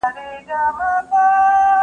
نوي کارونه د ژوند په تجربه کي زیاتوالی راولي.